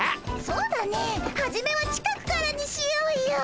そうだねえはじめは近くからにしようよ。